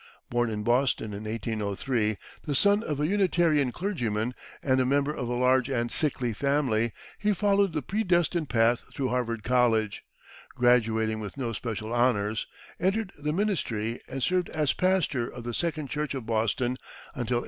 Born in Boston in 1803, the son of a Unitarian clergyman and a member of a large and sickly family, he followed the predestined path through Harvard College, graduating with no especial honors, entered the ministry, and served as pastor of the Second Church of Boston until 1832.